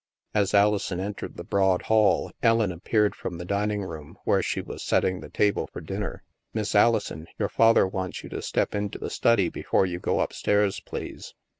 As Alison entered the broad hall, Ellen appeared from the dining room where she was setting the table for dinner. "Miss Alison, your father wants you to step into the study before you go up stairs, please."